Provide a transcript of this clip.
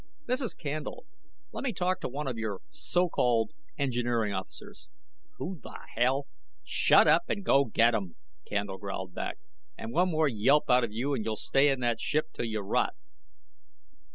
"This is Candle. Let me talk to one of your so called engineering officers." "Who the hell " "Shut up and go get 'em," Candle growled back. "And one more yelp out of you and you'll stay in that ship till you rot."